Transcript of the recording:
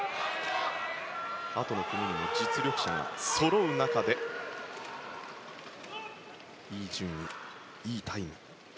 あとの組に実力者がそろう中でいい順位、いいタイムを。